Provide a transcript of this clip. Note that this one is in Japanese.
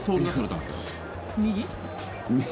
右？